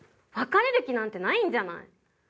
別れる気なんてないんじゃない。